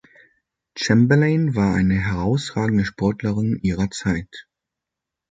Chamberlain war eine herausragende Sportlerin ihrer Zeit.